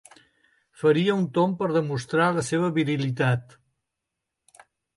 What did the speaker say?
Faria un tomb per demostrar la seva virilitat.